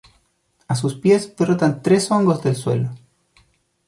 A sus pies brotan tres hongos del suelo.